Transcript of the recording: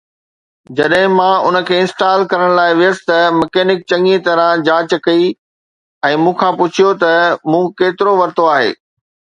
جڏهن مان ان کي انسٽال ڪرڻ لاءِ ويس ته ميڪنڪ چڱيءَ طرح جاچ ڪئي ۽ مون کان پڇيو ته مون ڪيترو ورتو آهي؟